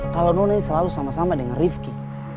kalau nona ini selalu sama sama dengan rifqi